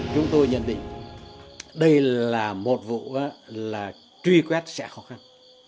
chúng tôi nhận định đây là một vụ là truy quét sẽ khó khăn